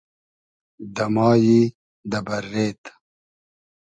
دۂ مایی دۂ بئررېد